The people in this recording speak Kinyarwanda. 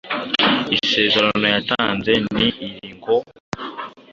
Isezerano yatanze ni iri ngo